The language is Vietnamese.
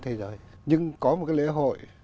thế giới nhưng có một cái lễ hội